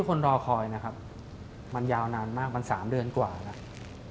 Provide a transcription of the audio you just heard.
คนรอคอยนะครับมันยาวนานมากมัน๓เดือนกว่าแล้ว